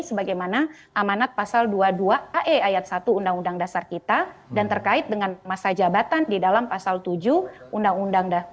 sebagaimana amanat pasal dua puluh dua ae ayat satu undang undang dasar kita dan terkait dengan masa jabatan di dalam pasal tujuh undang undang dasar